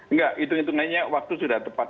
enggak hitung hitungannya waktu sudah tepat